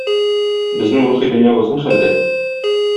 Безнең рухи дөньябыз ни хәлдә?